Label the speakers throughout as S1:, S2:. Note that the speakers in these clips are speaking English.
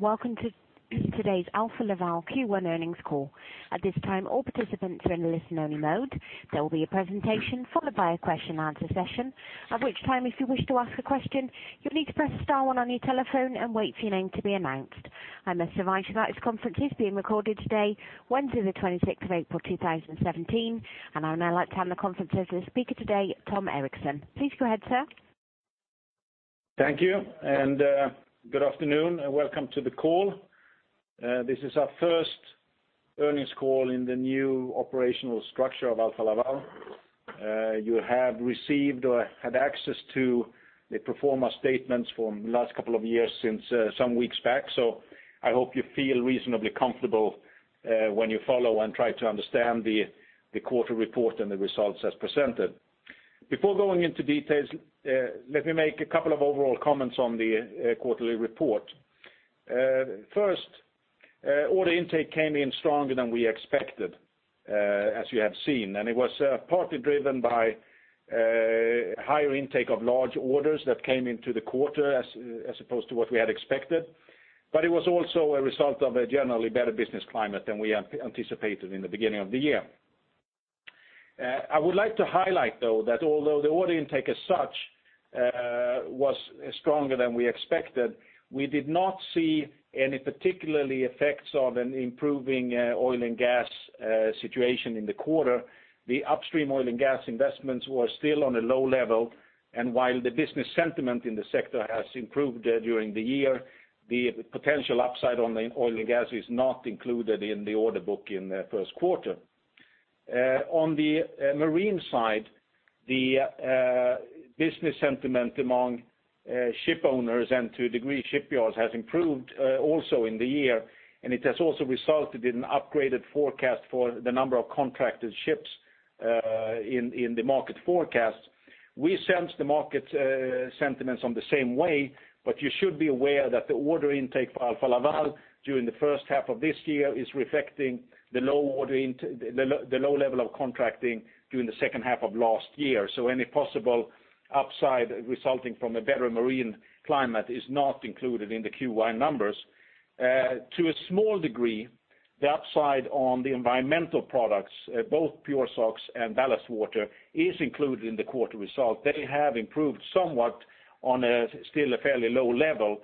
S1: Welcome to today's Alfa Laval Q1 earnings call. At this time, all participants are in listen-only mode. There will be a presentation followed by a question-and-answer session, at which time, if you wish to ask a question, you will need to press star one on your telephone and wait for your name to be announced. I must remind you that this conference is being recorded today, Wednesday, the 26th of April, 2017, I would now like to hand the conference over to the speaker today, Tom Erixon. Please go ahead, sir.
S2: Thank you, good afternoon, welcome to the call. This is our first earnings call in the new operational structure of Alfa Laval. You have received or had access to the pro forma statements for last couple of years since some weeks back. I hope you feel reasonably comfortable when you follow and try to understand the quarter report and the results as presented. Before going into details, let me make a couple of overall comments on the quarterly report. First, order intake came in stronger than we expected, as you have seen, it was partly driven by higher intake of large orders that came into the quarter as opposed to what we had expected. It was also a result of a generally better business climate than we anticipated in the beginning of the year. I would like to highlight, though, that although the order intake as such was stronger than we expected, we did not see any particularly effects of an improving oil and gas situation in the quarter. The upstream oil and gas investments were still on a low level, while the business sentiment in the sector has improved during the year, the potential upside on the oil and gas is not included in the order book in the first quarter. On the Marine side, the business sentiment among ship owners and, to a degree, shipyards has improved also in the year, it has also resulted in an upgraded forecast for the number of contracted ships in the market forecast. We sense the market sentiments on the same way, you should be aware that the order intake for Alfa Laval during the first half of this year is reflecting the low level of contracting during the second half of last year. Any possible upside resulting from a better Marine climate is not included in the Q1 numbers. To a small degree, the upside on the environmental products, both PureSOx and ballast water, is included in the quarter result. They have improved somewhat on a still fairly low level.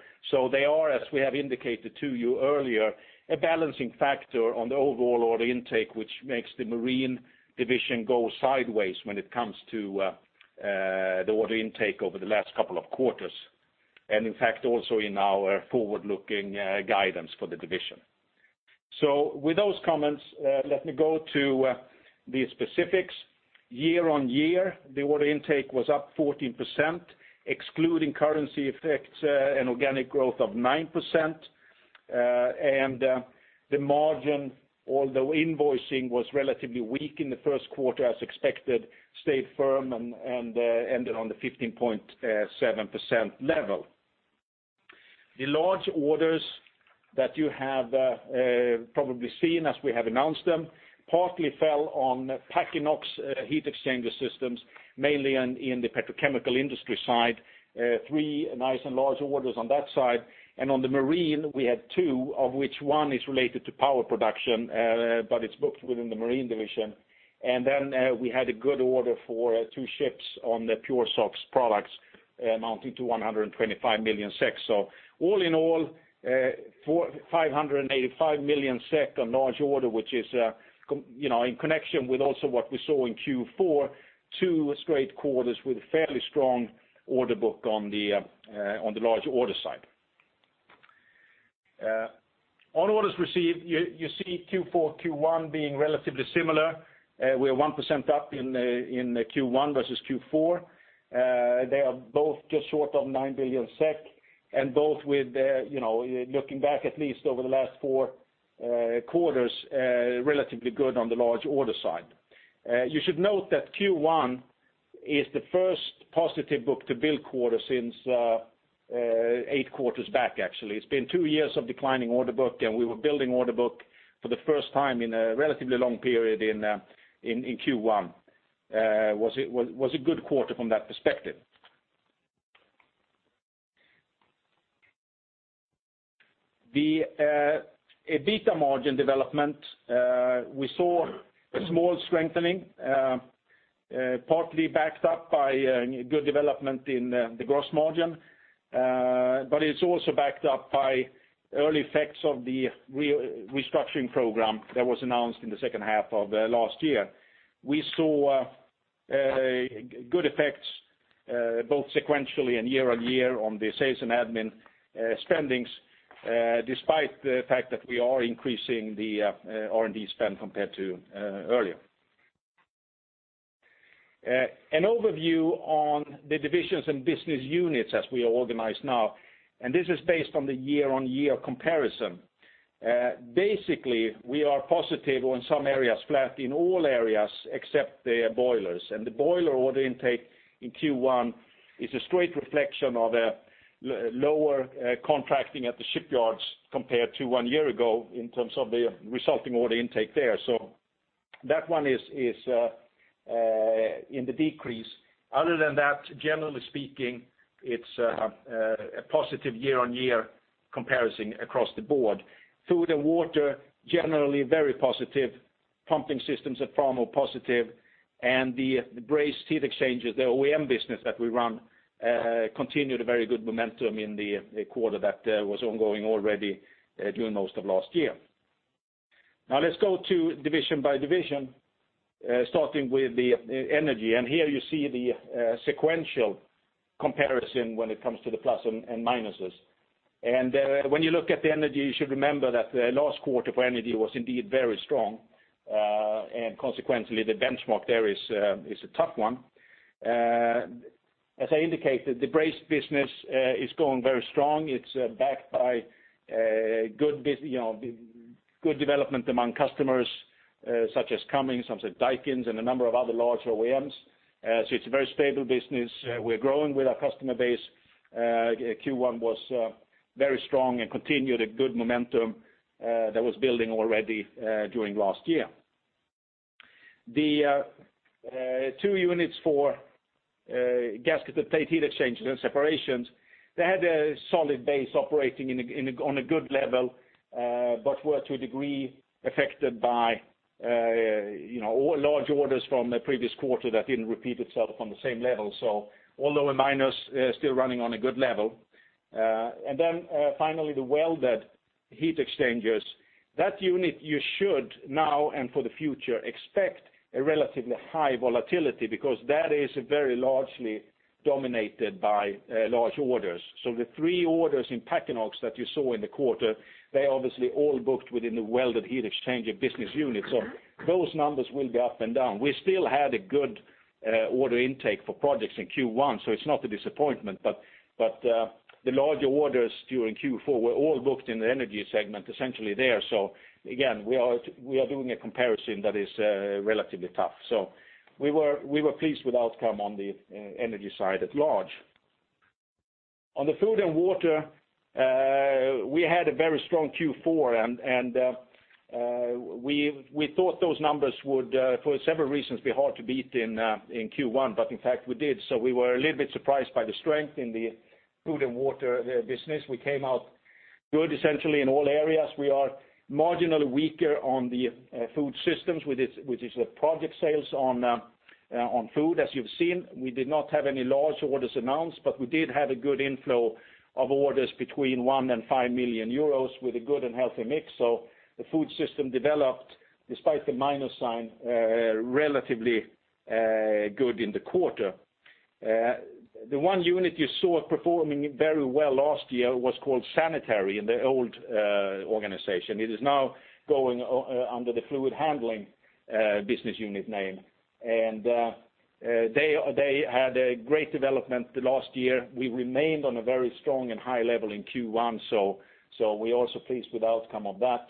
S2: They are, as we have indicated to you earlier, a balancing factor on the overall order intake, which makes the Marine division go sideways when it comes to the order intake over the last couple of quarters, in fact, also in our forward-looking guidance for the division. With those comments, let me go to the specifics. Year-on-year, the order intake was up 14%, excluding currency effects, an organic growth of 9%, and the margin, although invoicing was relatively weak in the first quarter, as expected, stayed firm and ended on the 15.7% level. The large orders that you have probably seen as we have announced them partly fell on Packinox heat exchanger systems, mainly in the petrochemical industry side, three nice and large orders on that side. On the marine, we had two, of which one is related to power production, but it is booked within the Marine division. We had a good order for two ships on the PureSOx products amounting to 125 million SEK. All in all, 585 million SEK on large order, which is in connection with also what we saw in Q4, two straight quarters with fairly strong order book on the large order side. On orders received, you see Q4, Q1 being relatively similar. We are 1% up in Q1 versus Q4. They are both just short of 9 billion SEK and both with, looking back at least over the last four quarters, relatively good on the large order side. You should note that Q1 is the first positive book-to-bill quarter since eight quarters back, actually. It has been two years of declining order book, and we were building order book for the first time in a relatively long period in Q1. It was a good quarter from that perspective. The EBITDA margin development, we saw a small strengthening, partly backed up by good development in the gross margin, but it is also backed up by early effects of the restructuring program that was announced in the second half of last year. We saw good effects both sequentially and year-on-year on the sales and admin spendings, despite the fact that we are increasing the R&D spend compared to earlier. An overview on the divisions and business units as we are organized now, and this is based on the year-on-year comparison. Basically, we are positive on some areas, flat in all areas except the boilers. The boiler order intake in Q1 is a straight reflection of a lower contracting at the shipyards compared to one year ago in terms of the resulting order intake there. That one is in the decrease. Other than that, generally speaking, it is a positive year-on-year comparison across the board. Food and Water, generally very positive. Pumping systems at Framo, positive. The brazed heat exchangers, the OEM business that we run, continued a very good momentum in the quarter that was ongoing already during most of last year. Now let us go to division by division, starting with the energy. Here you see the sequential comparison when it comes to the plus and minuses. When you look at the energy, you should remember that the last quarter for energy was indeed very strong, and consequently, the benchmark there is a tough one. As I indicated, the brazed business is going very strong. It is backed by good development among customers, such as Cummins, such as Daikin, and a number of other large OEMs. It is a very stable business. We are growing with our customer base. Q1 was very strong and continued a good momentum that was building already during last year. The two units for gasketed plate heat exchangers and separations, they had a solid base operating on a good level, but were to a degree affected by large orders from the previous quarter that didn't repeat itself on the same level. Although a minus, still running on a good level. Finally, the welded heat exchangers. That unit you should now and for the future expect a relatively high volatility, because that is very largely dominated by large orders. The three orders in Packinox that you saw in the quarter, they obviously all booked within the welded heat exchanger business unit. Those numbers will be up and down. We still had a good order intake for projects in Q1, so it's not a disappointment, but the larger orders during Q4 were all booked in the energy segment, essentially there. Again, we are doing a comparison that is relatively tough. We were pleased with the outcome on the energy side at large. On the food and water, we had a very strong Q4, and we thought those numbers would, for several reasons, be hard to beat in Q1, but in fact, we did. We were a little bit surprised by the strength in the food and water business. We came out good essentially in all areas. We are marginally weaker on the food systems, which is the project sales on food, as you've seen. We did not have any large orders announced, but we did have a good inflow of orders between 1 million and 5 million euros with a good and healthy mix. The food system developed, despite the minus sign, relatively good in the quarter. The one unit you saw performing very well last year was called sanitary in the old organization. It is now going under the fluid handling business unit name, and they had a great development the last year. We remained on a very strong and high level in Q1, so we're also pleased with the outcome of that.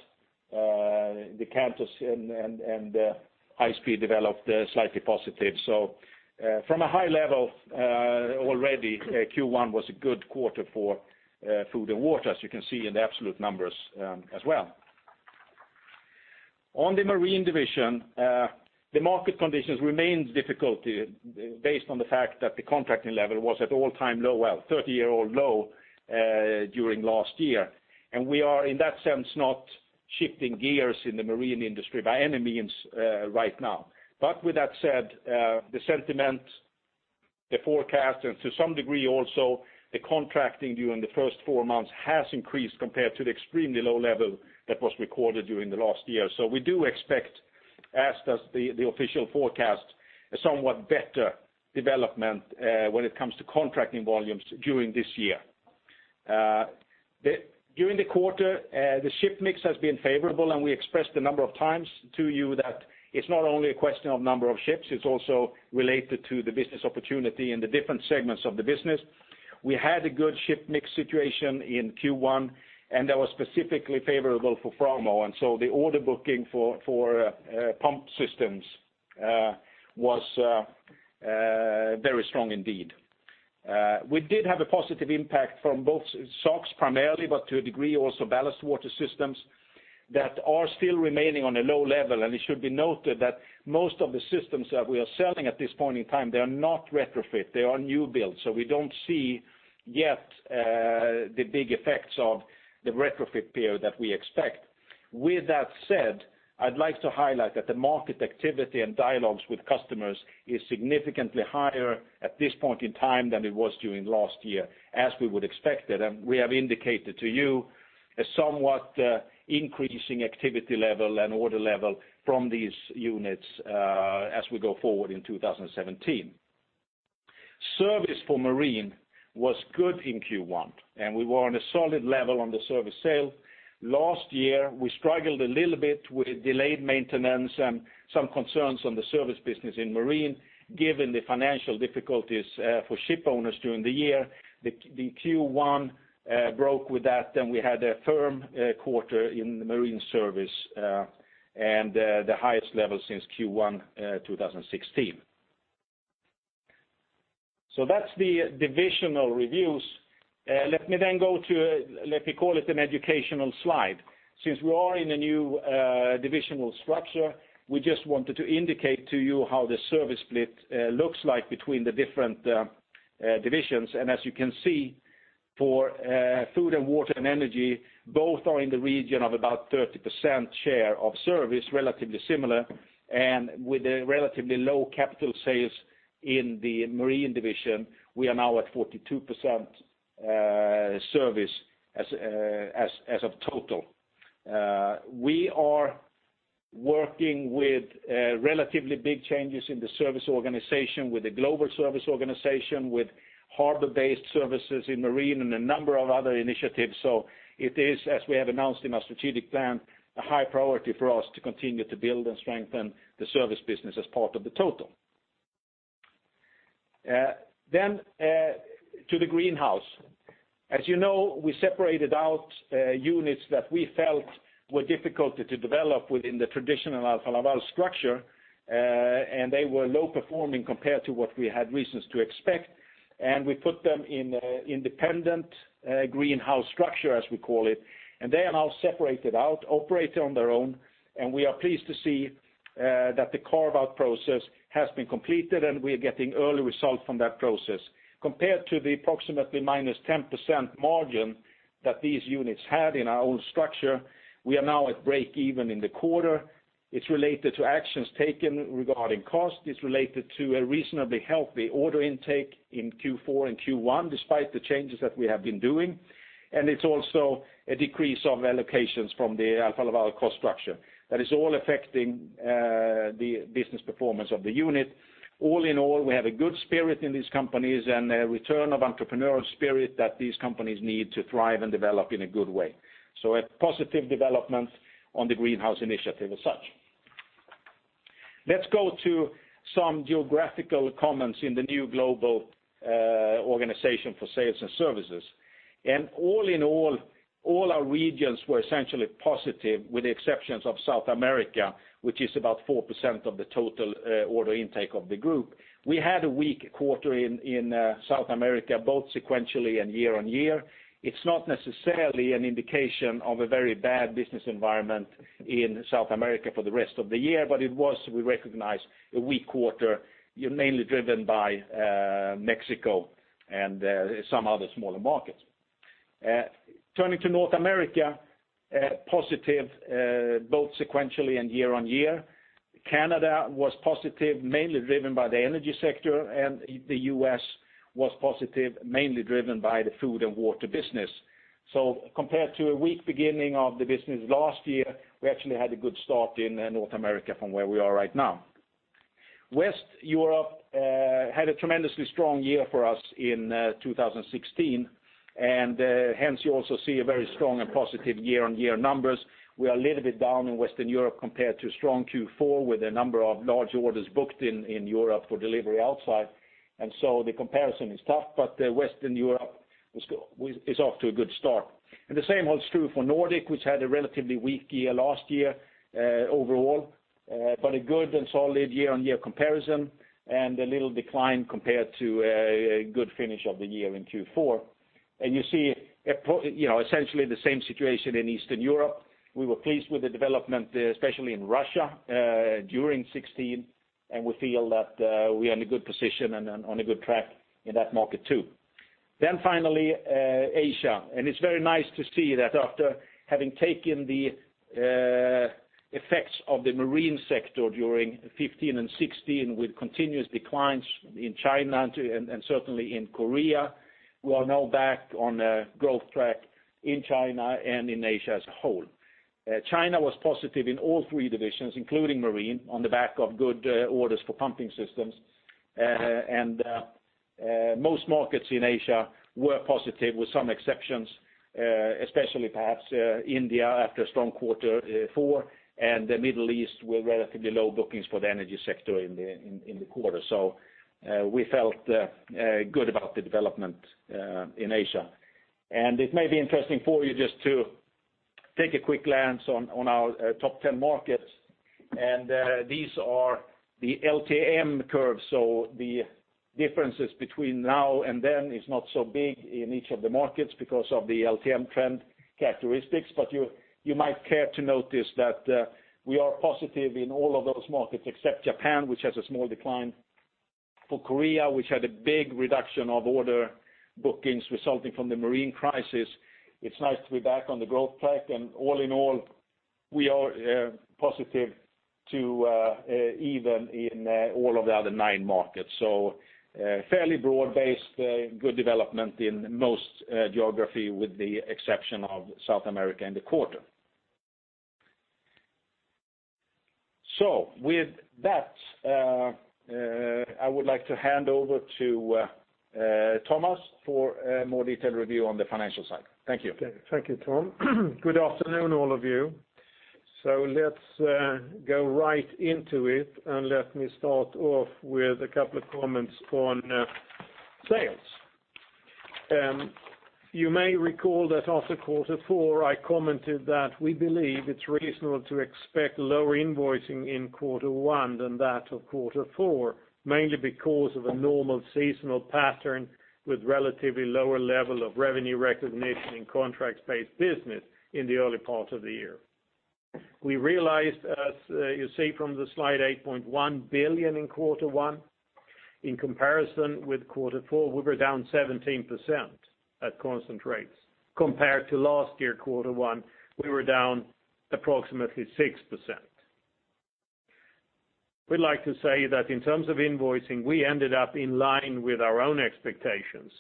S2: The Cantus and High Speed developed slightly positive. From a high level already, Q1 was a good quarter for food and water, as you can see in the absolute numbers as well. On the Marine division, the market conditions remained difficult based on the fact that the contracting level was at all-time low, 30-year-old low, during last year. We are, in that sense, not shifting gears in the marine industry by any means right now. With that said, the sentiment, the forecast, and to some degree also the contracting during the first four months has increased compared to the extremely low level that was recorded during the last year. We do expect, as does the official forecast, a somewhat better development when it comes to contracting volumes during this year. During the quarter, the ship mix has been favorable, and we expressed a number of times to you that it's not only a question of number of ships, it's also related to the business opportunity in the different segments of the business. We had a good ship mix situation in Q1, and that was specifically favorable for Framo, the order booking for pump systems was very strong indeed. We did have a positive impact from both SOx primarily, but to a degree also ballast water systems that are still remaining on a low level. It should be noted that most of the systems that we are selling at this point in time, they are not retrofit, they are new build. We don't see yet the big effects of the retrofit period that we expect. With that said, I'd like to highlight that the market activity and dialogues with customers is significantly higher at this point in time than it was during last year, as we would expect it. We have indicated to you a somewhat increasing activity level and order level from these units as we go forward in 2017. Service for marine was good in Q1, and we were on a solid level on the service sale. Last year, we struggled a little bit with delayed maintenance and some concerns on the service business in marine, given the financial difficulties for ship owners during the year. The Q1 broke with that, and we had a firm quarter in the marine service, and the highest level since Q1 2016. That's the divisional reviews. Let me call it an educational slide. Since we are in a new divisional structure, we just wanted to indicate to you how the service split looks like between the different divisions. As you can see, for food and water and energy, both are in the region of about 30% share of service, relatively similar. With a relatively low capital sales in the marine division, we are now at 42% service as a total. We are working with relatively big changes in the service organization, with the global service organization, with harbor-based services in marine, and a number of other initiatives. It is, as we have announced in our strategic plan, a high priority for us to continue to build and strengthen the service business as part of the total. To the Greenhouse. As you know, we separated out units that we felt were difficult to develop within the traditional Alfa Laval structure, and they were low performing compared to what we had reasons to expect, and we put them in independent Greenhouse structure, as we call it. They are now separated out, operate on their own, and we are pleased to see that the carve-out process has been completed, and we are getting early results from that process. Compared to the approximately -10% margin that these units had in our old structure, we are now at break even in the quarter. It's related to actions taken regarding cost. It's related to a reasonably healthy order intake in Q4 and Q1, despite the changes that we have been doing. It's also a decrease of allocations from the Alfa Laval cost structure. That is all affecting the business performance of the unit. All in all, we have a good spirit in these companies and a return of entrepreneurial spirit that these companies need to thrive and develop in a good way. A positive development on the Greenhouse initiative as such. Let's go to some geographical comments in the new global organization for sales and services. All in all our regions were essentially positive, with the exceptions of South America, which is about 4% of the total order intake of the group. We had a weak quarter in South America, both sequentially and year-on-year. It's not necessarily an indication of a very bad business environment in South America for the rest of the year, but it was, we recognize, a weak quarter, mainly driven by Mexico and some other smaller markets. Turning to North America, positive both sequentially and year-on-year. Canada was positive, mainly driven by the energy sector, and the U.S. was positive, mainly driven by the food and water business. Compared to a weak beginning of the business last year, we actually had a good start in North America from where we are right now. West Europe had a tremendously strong year for us in 2016, hence you also see a very strong and positive year-on-year numbers. We are a little bit down in Western Europe compared to a strong Q4, with a number of large orders booked in Europe for delivery outside. So the comparison is tough, but Western Europe is off to a good start. The same holds true for Nordic, which had a relatively weak year last year overall, but a good and solid year-on-year comparison, and a little decline compared to a good finish of the year in Q4. You see essentially the same situation in Eastern Europe. We were pleased with the development, especially in Russia, during 2016, and we feel that we are in a good position and on a good track in that market too. Finally, Asia. It's very nice to see that after having taken the effects of the marine sector during 2015 and 2016 with continuous declines in China and certainly in Korea, we are now back on a growth track in China and in Asia as a whole. China was positive in all three divisions, including marine, on the back of good orders for pumping systems. Most markets in Asia were positive with some exceptions, especially perhaps India after a strong quarter four, and the Middle East with relatively low bookings for the energy sector in the quarter. We felt good about the development in Asia. It may be interesting for you just to take a quick glance on our top 10 markets. These are the LTM curves, so the differences between now and then is not so big in each of the markets because of the LTM trend characteristics. You might care to notice that we are positive in all of those markets except Japan, which has a small decline. For Korea, which had a big reduction of order bookings resulting from the marine crisis, it's nice to be back on the growth track, and all in all, we are positive to even in all of the other nine markets. Fairly broad-based good development in most geography, with the exception of South America in the quarter. With that, I would like to hand over to Thomas for a more detailed review on the financial side. Thank you.
S3: Thank you, Tom. Good afternoon, all of you. Let's go right into it, let me start off with a couple of comments on sales. You may recall that after quarter four, I commented that we believe it's reasonable to expect lower invoicing in quarter one than that of quarter four, mainly because of a normal seasonal pattern with relatively lower level of revenue recognition in contracts-based business in the early part of the year. We realized, as you see from the slide, 8.1 billion in quarter one. In comparison with quarter four, we were down 17% at constant rates. Compared to last year quarter one, we were down approximately 6%. We'd like to say that in terms of invoicing, we ended up in line with our own expectations.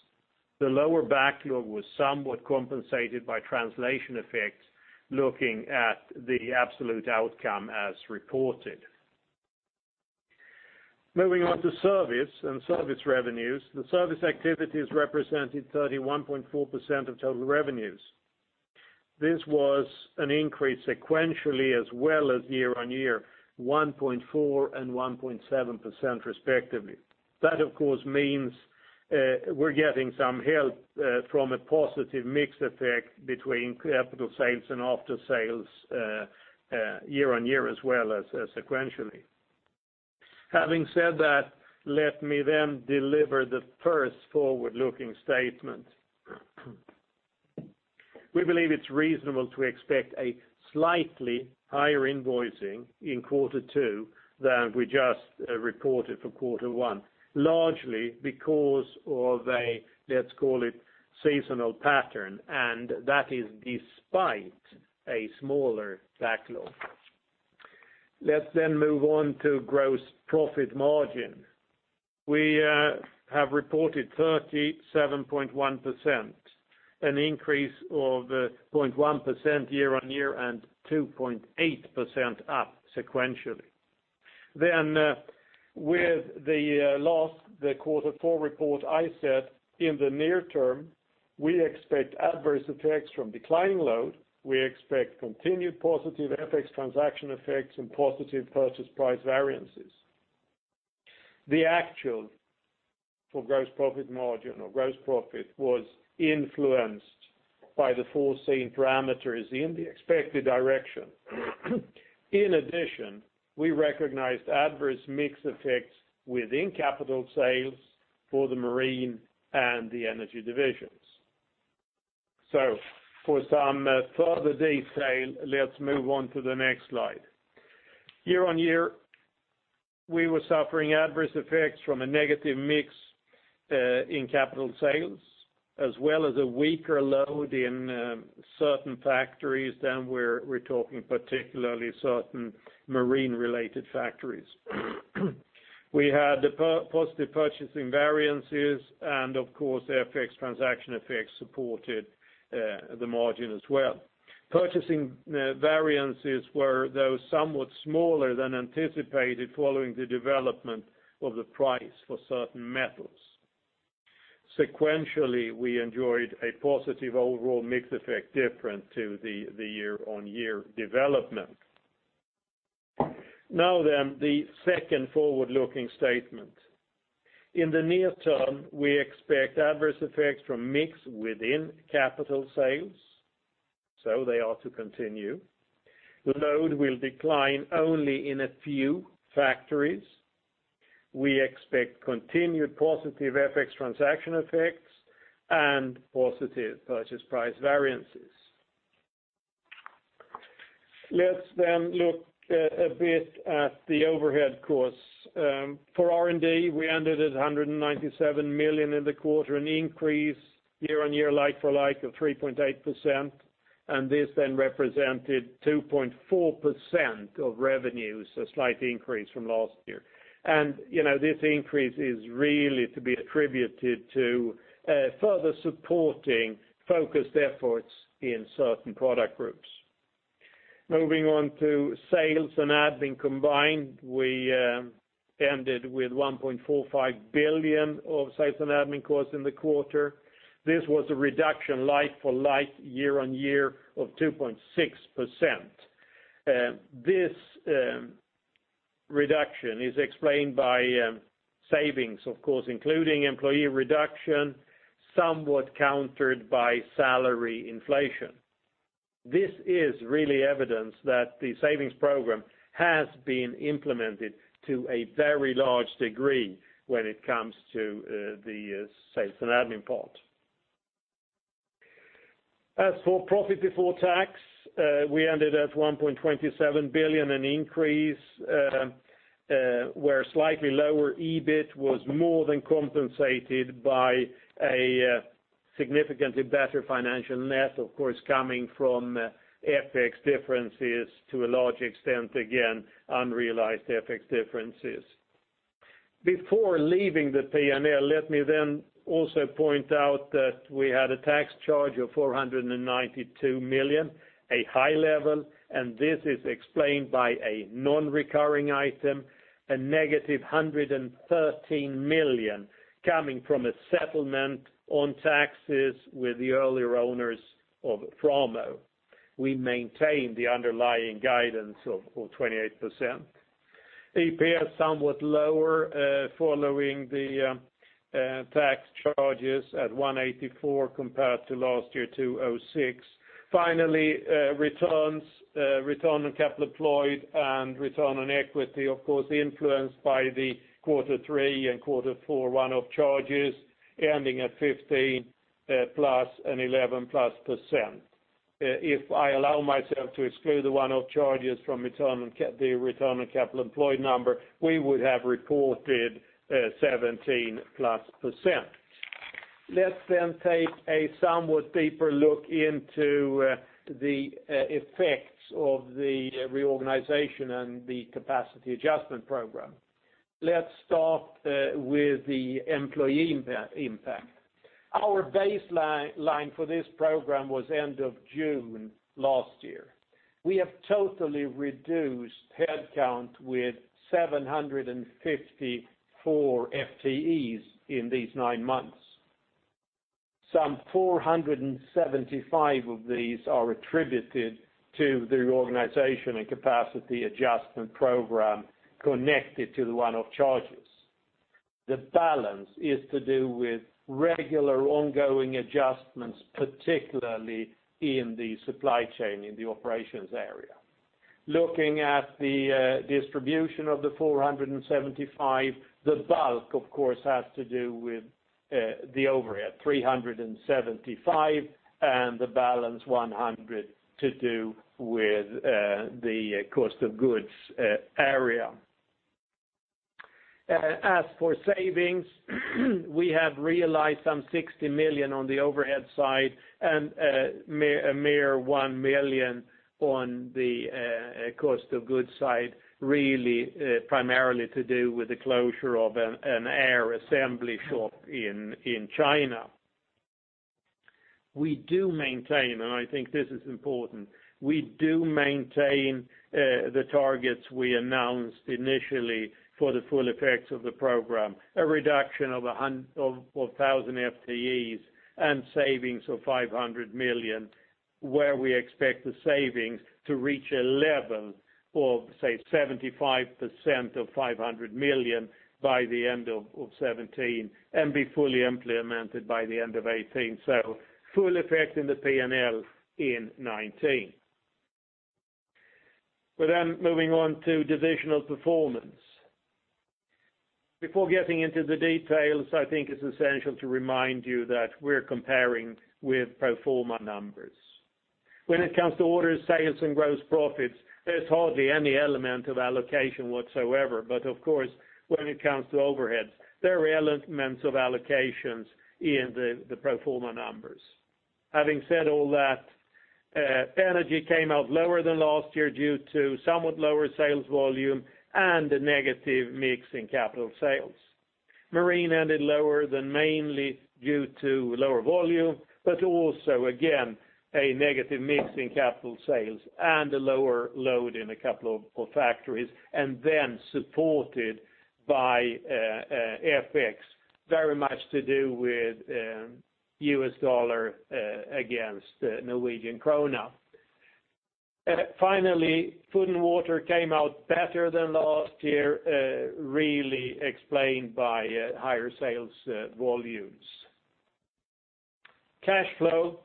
S3: The lower backlog was somewhat compensated by translation effects, looking at the absolute outcome as reported. Moving on to service and service revenues, the service activities represented 31.4% of total revenues. This was an increase sequentially, as well as year-on-year, 1.4% and 1.7% respectively. That, of course, means we're getting some help from a positive mix effect between capital sales and after sales year-on-year as well as sequentially. Having said that, let me deliver the first forward-looking statement. We believe it's reasonable to expect a slightly higher invoicing in quarter two than we just reported for quarter one, largely because of a, let's call it, seasonal pattern, and that is despite a smaller backlog. Let's move on to gross profit margin. We have reported 37.1%, an increase of 0.1% year-on-year and 2.8% up sequentially. With the last quarter four report, I said in the near term, we expect adverse effects from declining load. We expect continued positive FX transaction effects and positive purchase price variances. The actual for gross profit margin or gross profit was influenced by the foreseen parameters in the expected direction. In addition, we recognized adverse mix effects within capital sales for the Marine & Diesel division and the energy divisions. For some further detail, let's move on to the next slide. Year-on-year, we were suffering adverse effects from a negative mix in capital sales, as well as a weaker load in certain factories. We're talking particularly certain marine-related factories. We had the positive purchasing variances, and of course, FX transaction effects supported the margin as well. Purchasing variances were, though, somewhat smaller than anticipated following the development of the price for certain metals. Sequentially, we enjoyed a positive overall mix effect different to the year-on-year development. Now, the second forward-looking statement. In the near term, we expect adverse effects from mix within capital sales. They are to continue. Load will decline only in a few factories. We expect continued positive FX transaction effects and positive purchase price variances. Let's look a bit at the overhead costs. For R&D, we ended at 197 million in the quarter, an increase year-on-year like-for-like of 3.8%, and this represented 2.4% of revenues, a slight increase from last year. This increase is really to be attributed to further supporting focused efforts in certain product groups. Moving on to sales and admin combined, we ended with 1.45 billion of sales and admin costs in the quarter. This was a reduction like-for-like year-on-year of 2.6%. This reduction is explained by savings, of course, including employee reduction, somewhat countered by salary inflation. This is really evidence that the savings program has been implemented to a very large degree when it comes to the sales and admin part. As for profit before tax, we ended at 1.27 billion, an increase where slightly lower EBIT was more than compensated by a significantly better financial net, of course, coming from FX differences to a large extent, again, unrealized FX differences. Before leaving the P&L, let me also point out that we had a tax charge of 492 million, a high level, and this is explained by a non-recurring item, a negative 113 million coming from a settlement on taxes with the earlier owners of Framo. We maintain the underlying guidance of 28%. EPS somewhat lower following the tax charges at 184 compared to last year, 206. Finally, returns. Return on capital employed and return on equity, of course, influenced by the quarter three and quarter four run-up charges ending at 15-plus% and 11-plus%. If I allow myself to exclude the one-off charges from the return on capital employed number, we would have reported 17-plus%. Let's take a somewhat deeper look into the effects of the reorganization and the capacity adjustment program. Let's start with the employee impact. Our baseline for this program was end of June last year. We have totally reduced headcount with 754 FTEs in these nine months. Some 475 of these are attributed to the reorganization and capacity adjustment program connected to the one-off charges. The balance is to do with regular ongoing adjustments, particularly in the supply chain in the operations area. Looking at the distribution of the 475, the bulk, of course, has to do with the overhead, 375, and the balance, 100, to do with the cost of goods area. As for savings, we have realized some 60 million on the overhead side and a mere 1 million on the cost of goods side, really primarily to do with the closure of an air assembly shop in China. We do maintain, and I think this is important, we do maintain the targets we announced initially for the full effects of the program, a reduction of 1,000 FTEs and savings of 500 million, where we expect the savings to reach a level of, say, 75% of 500 million by the end of 2017 and be fully implemented by the end of 2018. Full effect in the P&L in 2019. We're moving on to divisional performance. Before getting into the details, I think it's essential to remind you that we're comparing with pro forma numbers. When it comes to orders, sales, and gross profits, there's hardly any element of allocation whatsoever. Of course, when it comes to overheads, there are elements of allocations in the pro forma numbers. Having said all that, Energy came out lower than last year due to somewhat lower sales volume and a negative mix in capital sales. Marine ended lower than mainly due to lower volume, but also, again, a negative mix in capital sales and a lower load in a couple of factories, and then supported by FX, very much to do with US dollar against Norwegian krone. Finally, Food & Water came out better than last year, really explained by higher sales volumes. Cash flow,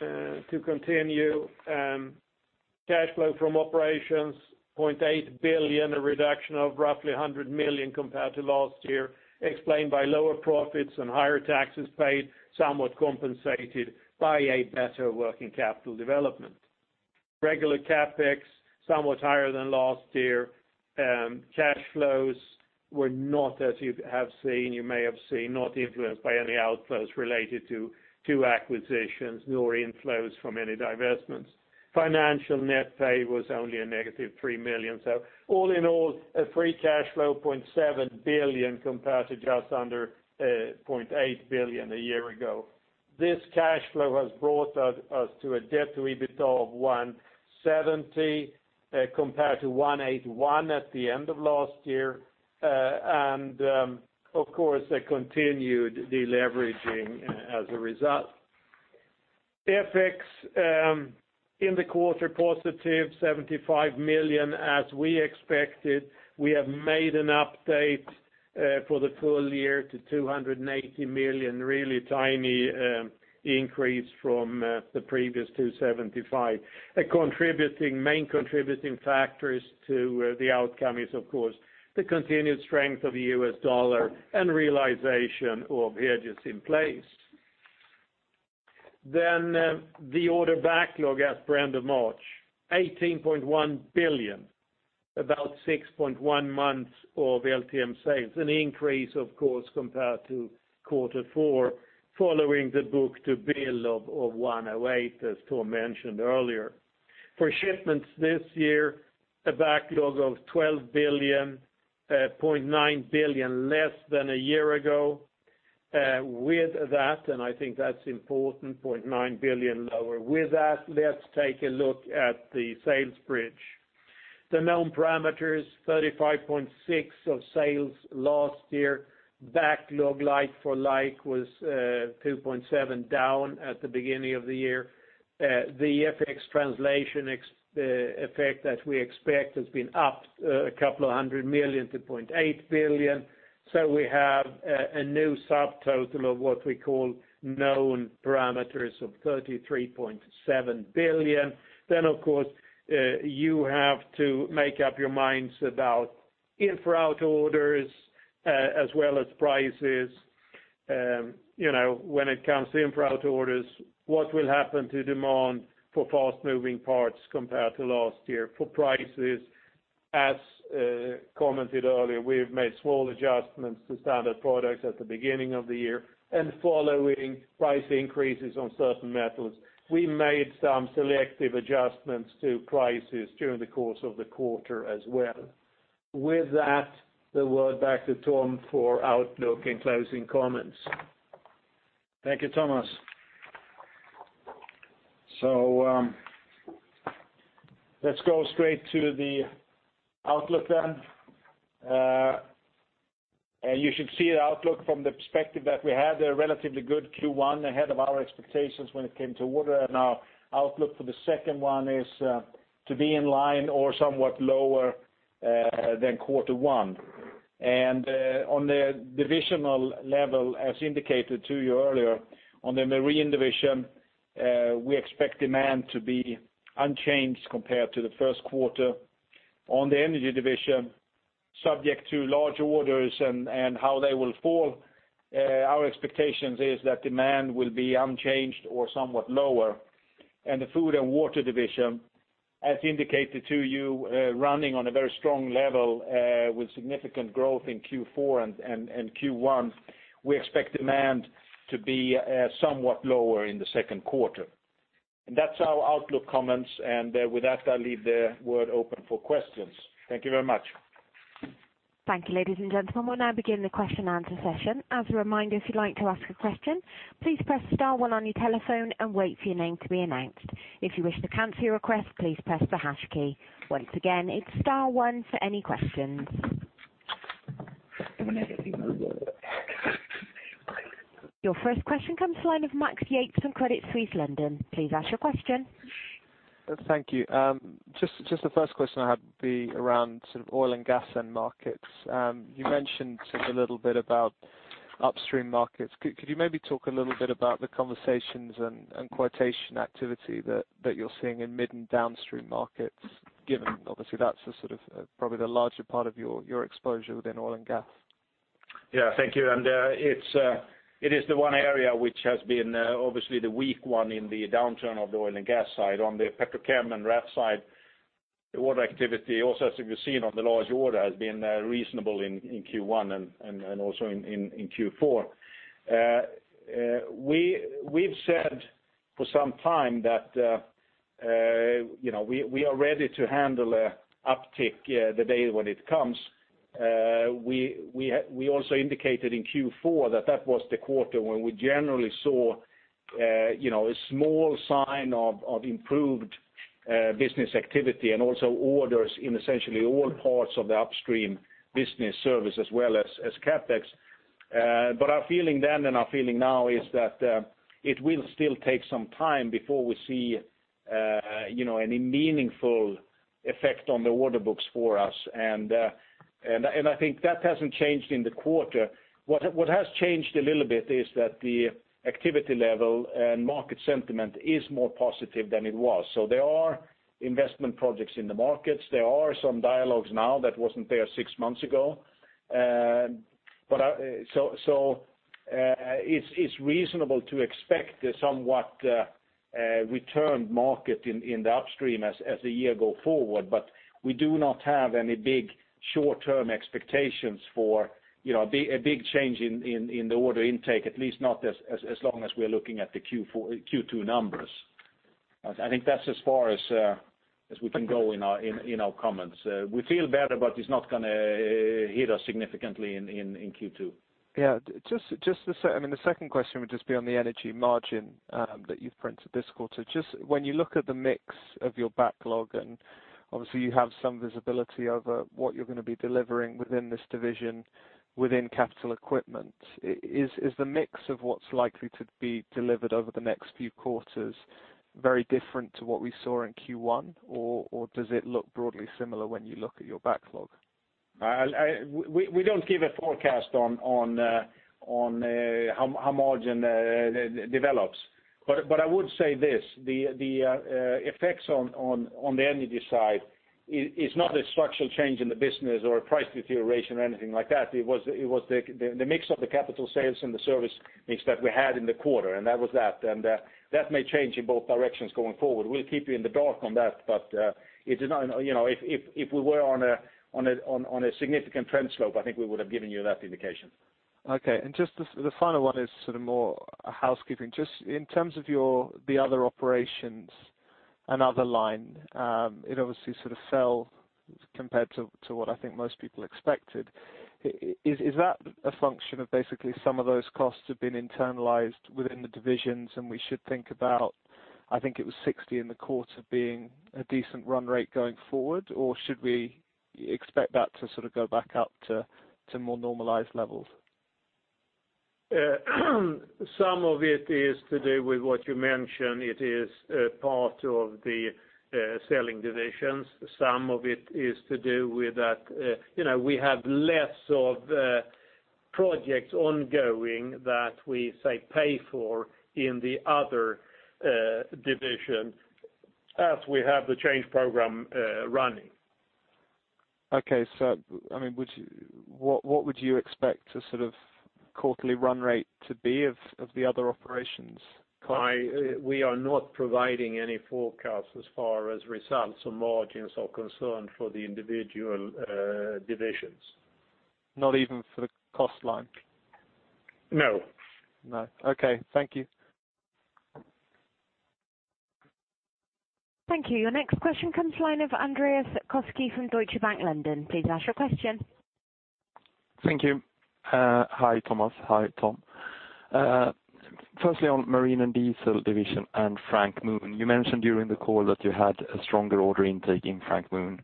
S3: to continue. Cash flow from operations, 0.8 billion, a reduction of roughly 100 million compared to last year, explained by lower profits and higher taxes paid, somewhat compensated by a better working capital development. Regular CapEx, somewhat higher than last year. Cash flows were not, as you have seen, not influenced by any outflows related to two acquisitions, nor inflows from any divestments. Financial net pay was only a negative 3 million. All in all, a free cash flow, 0.7 billion compared to just under 0.8 billion a year ago. This cash flow has brought us to a debt to EBITDA of 170 compared to 181 at the end of last year. Of course, a continued deleveraging as a result. FX in the quarter, positive, 75 million as we expected. We have made an update for the full year to 280 million, really tiny increase from the previous 275 million. Main contributing factors to the outcome is, of course, the continued strength of the U.S. dollar and realization of hedges in place. The order backlog as per end of March, 18.1 billion, about 6.1 months of LTM sales. An increase, of course, compared to quarter four, following the book-to-bill of 108, as Tom mentioned earlier. For shipments this year, a backlog of 12 billion, 0.9 billion less than a year ago. With that, and I think that's important, 0.9 billion lower. With that, let's take a look at the sales bridge. The known parameters, 35.6 billion of sales last year. Backlog like for like was 2.7 billion, down at the beginning of the year. The FX translation effect that we expect has been up a couple of hundred million to 0.8 billion. We have a new subtotal of what we call known parameters of 33.7 billion. Of course, you have to make up your minds about in-for-out orders, as well as prices. When it comes to in-for-out orders, what will happen to demand for fast-moving parts compared to last year? For prices, as commented earlier, we've made small adjustments to standard products at the beginning of the year. Following price increases on certain metals, we made some selective adjustments to prices during the course of the quarter as well. With that, the word back to Tom for outlook and closing comments.
S2: Thank you, Thomas. Let's go straight to the outlook. You should see the outlook from the perspective that we had a relatively good Q1 ahead of our expectations when it came to order. Our outlook for the second one is to be in line or somewhat lower than quarter one. On the divisional level, as indicated to you earlier, on the Marine & Diesel division, we expect demand to be unchanged compared to the first quarter. On the Energy division, subject to large orders and how they will fall, our expectations is that demand will be unchanged or somewhat lower. The Food and Water division, as indicated to you, running on a very strong level, with significant growth in Q4 and Q1. We expect demand to be somewhat lower in the second quarter. That's our outlook comments. I'll leave the word open for questions. Thank you very much.
S1: Thank you, ladies and gentlemen. We'll now begin the question and answer session. As a reminder, if you'd like to ask a question, please press star one on your telephone and wait for your name to be announced. If you wish to cancel your request, please press the hash key. Once again, it's star one for any questions. Your first question comes to the line of Max Yates from Credit Suisse, London. Please ask your question.
S4: Thank you. The first question I had be around sort of oil and gas end markets. You mentioned a little bit about upstream markets. Could you maybe talk a little bit about the conversations and quotation activity that you're seeing in mid and downstream markets, given obviously that's the sort of, probably the larger part of your exposure within oil and gas?
S2: Yeah. Thank you. It is the one area which has been obviously the weak one in the downturn of the oil and gas side. On the petrochem and ref side, the order activity, also, as you can see on the large order, has been reasonable in Q1 and also in Q4. We've said for some time that we are ready to handle a uptick, the day when it comes. We also indicated in Q4 that that was the quarter when we generally saw a small sign of improved business activity and also orders in essentially all parts of the upstream business service as well as CapEx. Our feeling then and our feeling now is that it will still take some time before we see any meaningful effect on the order books for us. I think that hasn't changed in the quarter. What has changed a little bit is that the activity level and market sentiment is more positive than it was. There are investment projects in the markets. There are some dialogues now that wasn't there six months ago. It's reasonable to expect a somewhat returned market in the upstream as the year go forward, but we do not have any big short-term expectations for a big change in the order intake, at least not as long as we're looking at the Q2 numbers. I think that's as far as we can go in our comments. We feel better, but it's not going to hit us significantly in Q2.
S4: The second question would just be on the energy margin that you've printed this quarter. Just when you look at the mix of your backlog, and obviously you have some visibility over what you're going to be delivering within this division within capital equipment. Is the mix of what's likely to be delivered over the next few quarters very different to what we saw in Q1, or does it look broadly similar when you look at your backlog?
S2: We don't give a forecast on how margin develops. I would say this, the effects on the energy side is not a structural change in the business or a price deterioration or anything like that. It was the mix of the capital sales and the service mix that we had in the quarter, and that was that. That may change in both directions going forward. We'll keep you in the dark on that, but if we were on a significant trend slope, I think we would have given you that indication.
S4: Just the final one is sort of more a housekeeping. Just in terms of your the other operations and other line, it obviously sort of fell compared to what I think most people expected. Is that a function of basically some of those costs have been internalized within the divisions, and we should think about, I think it was 60 in the quarter, being a decent run rate going forward? Or should we expect that to go back up to more normalized levels?
S3: Some of it is to do with what you mentioned, it is a part of the selling divisions. Some of it is to do with that we have less of projects ongoing that we, say, pay for in the other division, as we have the change program running.
S4: Okay. What would you expect a quarterly run rate to be of the other operations?
S3: We are not providing any forecasts as far as results or margins are concerned for the individual divisions.
S4: Not even for the cost line?
S3: No.
S4: No. Okay. Thank you.
S1: Thank you. Your next question comes line of Andreas Koski from Deutsche Bank, London. Please ask your question.
S5: Thank you. Hi, Thomas. Hi, Tom. Firstly, on Marine & Diesel division and Framo. You mentioned during the call that you had a stronger order intake in Framo.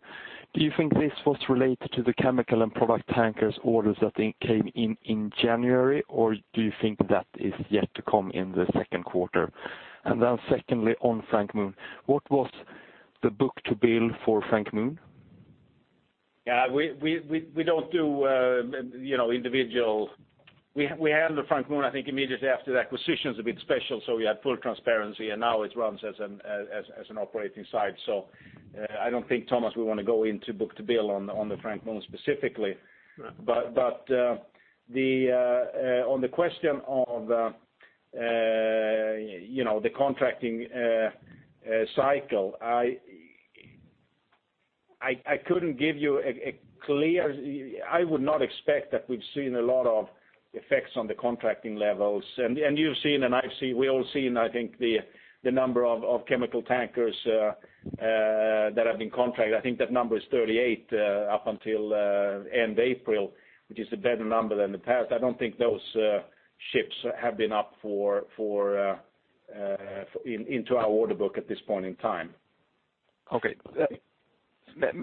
S5: Do you think this was related to the chemical and product tankers orders that came in in January, or do you think that is yet to come in the second quarter? Secondly, on Framo, what was the book-to-bill for Framo?
S2: We handle Framo, I think immediately after the acquisition. It's a bit special, so we had full transparency, and now it runs as an operating site. I don't think, Thomas, we want to go into book-to-bill on the Framo specifically.
S5: Sure.
S2: On the question of the contracting cycle, I would not expect that we've seen a lot of effects on the contracting levels. You've seen, and I've seen, we've all seen, I think, the number of chemical tankers that have been contracted. I think that number is 38 up until end of April, which is a better number than the past. I don't think those ships have been up into our order book at this point in time.
S5: Okay.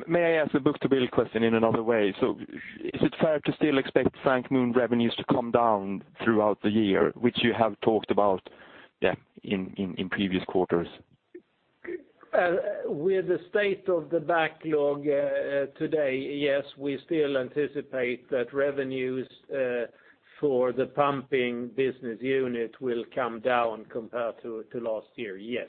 S5: May I ask the book-to-bill question in another way? Is it fair to still expect Framo revenues to come down throughout the year, which you have talked about, yeah, in previous quarters?
S3: With the state of the backlog today, yes, we still anticipate that revenues for the pumping business unit will come down compared to last year. Yes.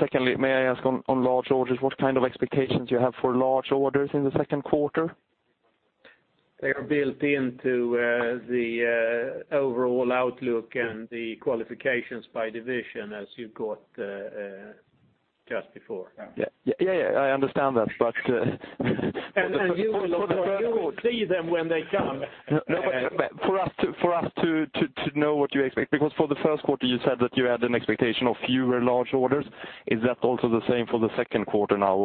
S5: Secondly, may I ask on large orders, what kind of expectations you have for large orders in the second quarter?
S3: They are built into the overall outlook and the qualifications by division as you got just before.
S5: Yeah. I understand that.
S3: You will see them when they come.
S5: For us to know what you expect, because for the first quarter, you said that you had an expectation of fewer large orders. Is that also the same for the second quarter now?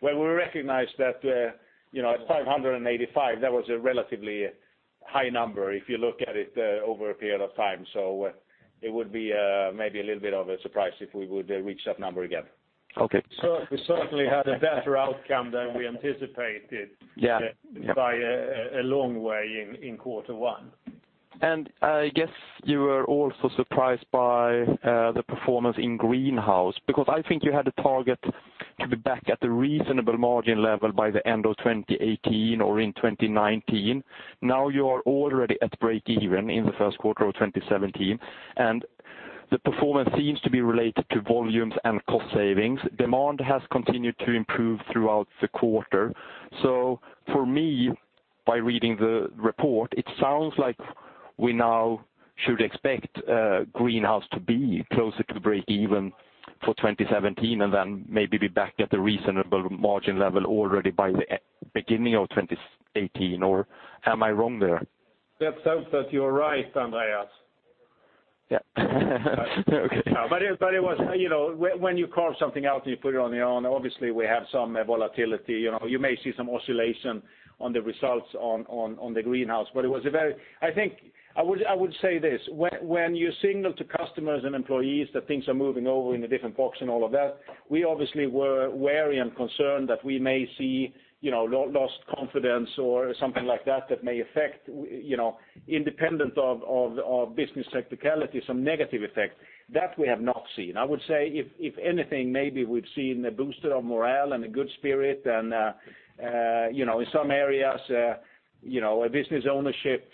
S2: Well, we recognize that at 585, that was a relatively high number if you look at it over a period of time. It would be maybe a little bit of a surprise if we would reach that number again.
S5: Okay.
S3: We certainly had a better outcome than we anticipated.
S5: Yeah
S3: by a long way in quarter one.
S5: I guess you were also surprised by the performance in Greenhouse, because I think you had a target to be back at the reasonable margin level by the end of 2018 or in 2019. Now you are already at break even in the first quarter of 2017, and the performance seems to be related to volumes and cost savings. Demand has continued to improve throughout the quarter. For me, by reading the report, it sounds like we now should expect Greenhouse to be closer to break even for 2017, and then maybe be back at the reasonable margin level already by the beginning of 2018. Am I wrong there?
S3: It sounds that you are right, Andreas.
S5: Yeah. Okay.
S2: When you carve something out and you put it on your own, obviously we have some volatility. You may see some oscillation on the results on the Greenhouse. I would say this, when you signal to customers and employees that things are moving over into different box and all of that, we obviously were wary and concerned that we may see lost confidence or something like that that may affect, independent of business cyclicality, some negative effect. That we have not seen. I would say, if anything, maybe we've seen a booster of morale and a good spirit and, in some areas, a business ownership,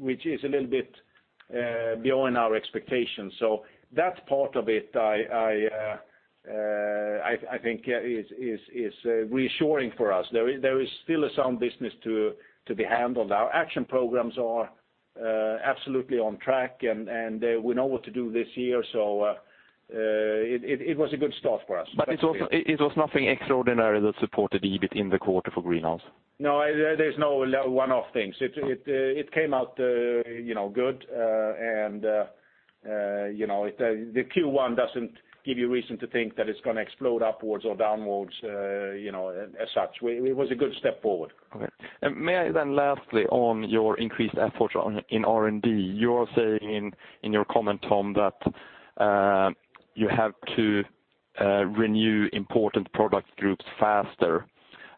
S2: which is a little bit beyond our expectations. That part of it, I think, is reassuring for us. There is still some business to be handled. Our action programs are absolutely on track, and we know what to do this year. It was a good start for us.
S5: It was nothing extraordinary that supported EBIT in the quarter for Greenhouse?
S2: No, there's no one-off things. It came out good, and the Q1 doesn't give you reason to think that it's going to explode upwards or downwards as such. It was a good step forward.
S5: Okay. May I then lastly on your increased efforts in R&D, you are saying in your comment, Tom, that you have to renew important product groups faster.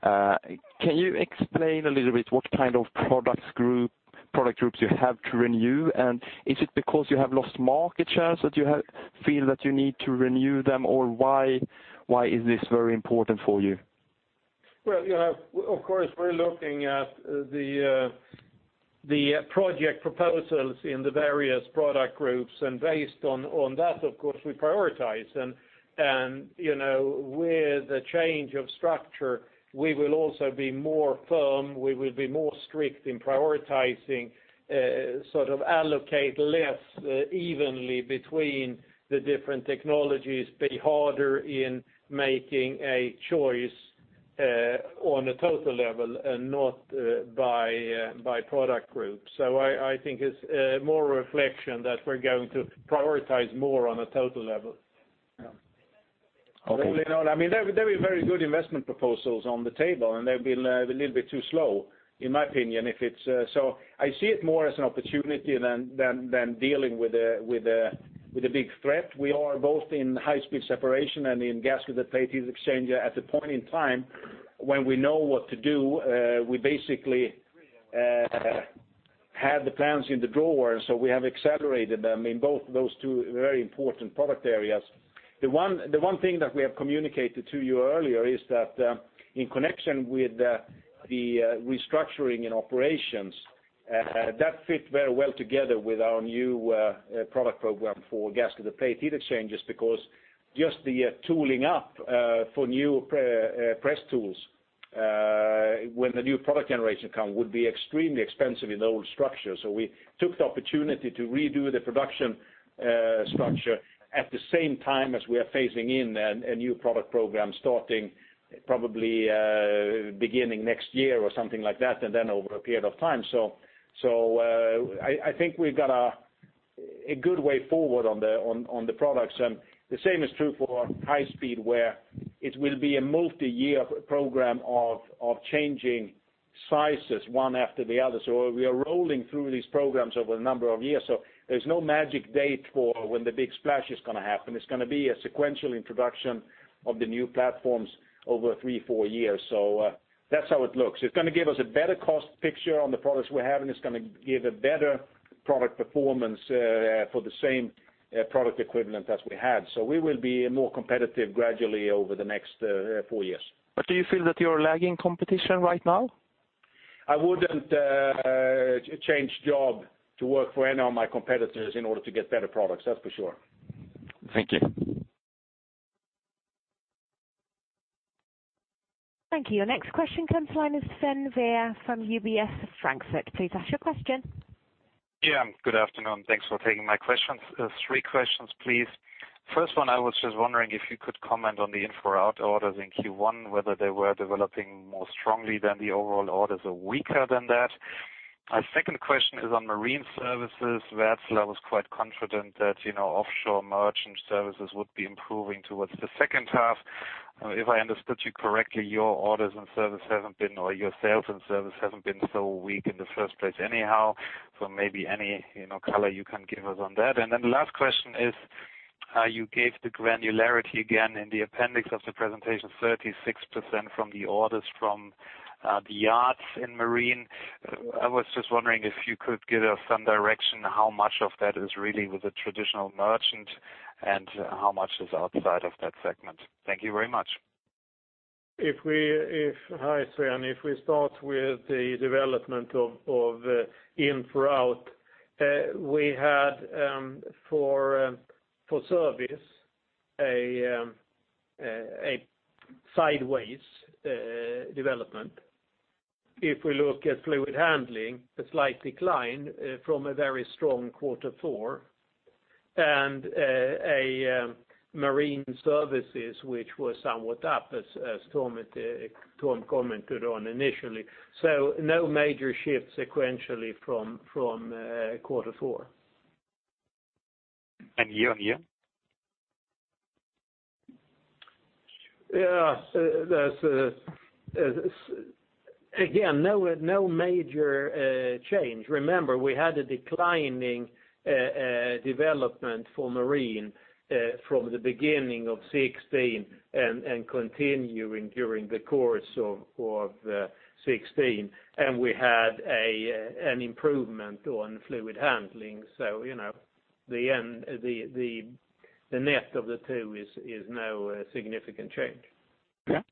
S5: Can you explain a little bit what kind of product groups you have to renew? Is it because you have lost market shares that you feel that you need to renew them, or why is this very important for you?
S2: Well, of course, we're looking at the project proposals in the various product groups, and based on that, of course, we prioritize. With the change of structure, we will also be more firm, we will be more strict in prioritizing, sort of allocate less evenly between the different technologies, be harder in making a choice on a total level and not by product group. I think it's more a reflection that we're going to prioritize more on a total level.
S5: Okay.
S2: All in all, there have been very good investment proposals on the table, and they've been a little bit too slow, in my opinion. I see it more as an opportunity than dealing with a big threat. We are both in High-speed separation and in gasketed plate heat exchanger at the point in time when we know what to do. We basically had the plans in the drawer, we have accelerated them in both those two very important product areas. The one thing that we have communicated to you earlier is that in connection with the restructuring in operations, that fit very well together with our new product program for gasketed plate heat exchangers, because just the tooling up for new press tools when the new product generation come would be extremely expensive in the old structure. We took the opportunity to redo the production structure at the same time as we are phasing in a new product program, starting probably beginning next year or something like that, and then over a period of time. I think we've got a good way forward on the products. The same is true for High Speed, where it will be a multi-year program of changing sizes one after the other. We are rolling through these programs over a number of years. There's no magic date for when the big splash is going to happen. It's going to be a sequential introduction of the new platforms over three, four years. That's how it looks. It's going to give us a better cost picture on the products we have, and it's going to give a better product performance for the same product equivalent that we had.
S3: We will be more competitive gradually over the next four years.
S5: Do you feel that you're lagging competition right now?
S2: I wouldn't change job to work for any of my competitors in order to get better products, that's for sure.
S5: Thank you.
S1: Thank you. Your next question comes line is Sven Weier from UBS, Frankfurt. Please ask your question.
S6: Yeah, good afternoon. Thanks for taking my questions. Three questions, please. First one, I was just wondering if you could comment on the in-for-out orders in Q1, whether they were developing more strongly than the overall orders or weaker than that. My second question is on marine services. Wärtsilä was quite confident that offshore merchant services would be improving towards the second half. If I understood you correctly, your orders and service haven't been, or your sales and service hasn't been so weak in the first place anyhow. Maybe any color you can give us on that. The last question is, you gave the granularity again in the appendix of the presentation, 36% from the orders from the yards in marine. I was just wondering if you could give us some direction how much of that is really with the traditional merchant and how much is outside of that segment. Thank you very much.
S3: Hi, Sven. If we start with the development of in-for-out, we had for service a sideways development. If we look at fluid handling, a slight decline from a very strong quarter four, and a marine services which was somewhat up, as Tom commented on initially. No major shift sequentially from quarter four.
S6: Year-over-year?
S3: There's again, no major change. Remember, we had a declining development for marine from the beginning of 2016 and continuing during the course of 2016. We had an improvement on fluid handling. The net of the two is no significant change.
S6: Yeah.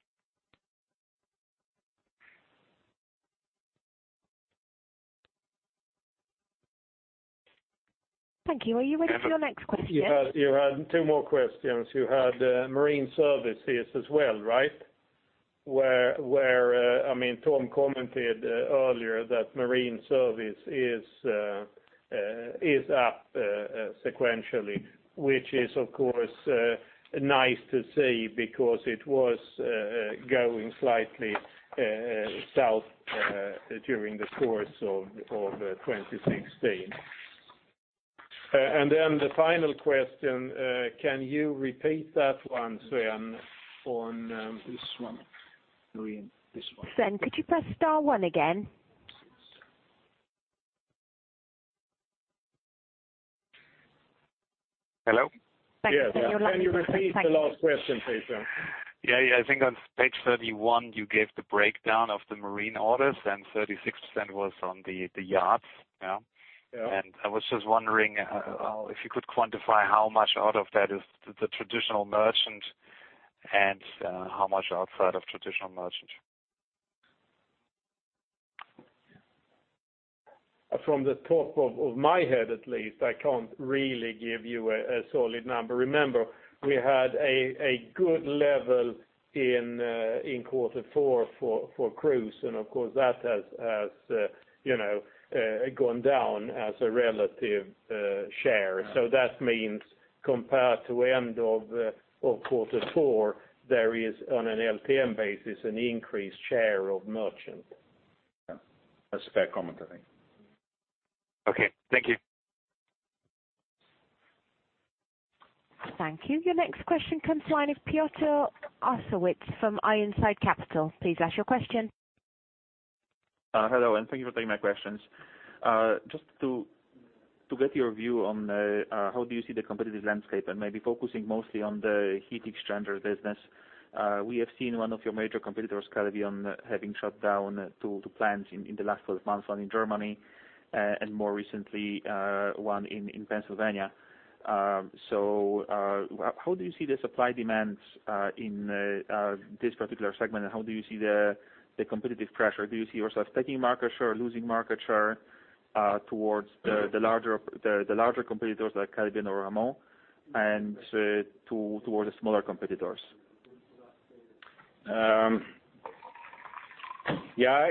S1: Thank you. Are you ready for your next question?
S3: You had two more questions. You had marine services as well, right? Where Tom commented earlier that marine service is up sequentially, which is, of course, nice to see because it was going slightly south during the course of 2016. The final question, can you repeat that one, Sven?
S2: This one. Marine. This one.
S1: Sven, could you press star one again?
S6: Hello?
S3: Yes. Can you repeat the last question, please, Sven?
S6: Yeah. I think on page 31, you gave the breakdown of the marine orders, and 36% was on the yachts.
S3: Yeah.
S6: I was just wondering if you could quantify how much out of that is the traditional merchant and how much outside of traditional merchant.
S3: From the top of my head, at least, I can't really give you a solid number. Remember, we had a good level in quarter four for cruise and of course, that has gone down as a relative share. That means compared to end of quarter four, there is, on an LTM basis, an increased share of merchant. Yeah. That's a fair comment, I think.
S6: Okay. Thank you.
S1: Thank you. Your next question comes line of Piotr Osiewicz from IronSide Capital. Please ask your question.
S7: Hello, and thank you for taking my questions. Just to get your view on how do you see the competitive landscape and maybe focusing mostly on the heat exchanger business. We have seen one of your major competitors, Kelvion, having shut down two plants in the last 12 months, one in Germany, and more recently, one in Pennsylvania. How do you see the supply demands in this particular segment, and how do you see the competitive pressure? Do you see yourself taking market share, losing market share towards the larger competitors like Kelvion or Ramon, and towards the smaller competitors?
S2: Yeah.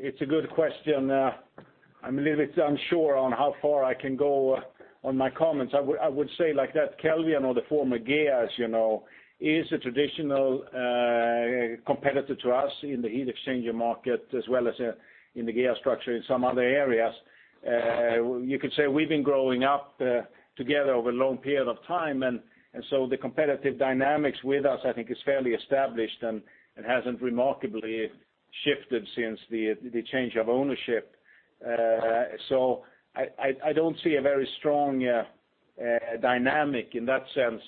S2: It's a good question. I'm a little bit unsure on how far I can go on my comments. I would say like that Kelvion or the former GEA, is a traditional competitor to us in the heat exchanger market as well as in the GEA structure in some other areas. You could say we've been growing up together over a long period of time, the competitive dynamics with us, I think, is fairly established and hasn't remarkably shifted since the change of ownership. I don't see a very strong dynamic in that sense,